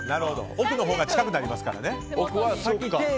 奥のほうが近くなりますからね。